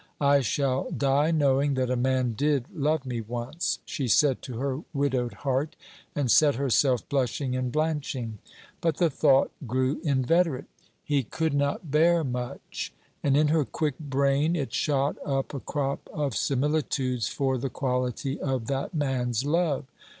'I shall die knowing that a man did love me once,' she said to her widowed heart, and set herself blushing and blanching. But the thought grew inveterate: 'He could not bear much.' And in her quick brain it shot up a crop of similitudes for the quality of that man's love.